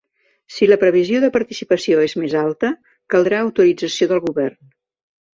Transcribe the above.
Si la previsió de participació és més alta, caldrà autorització del govern.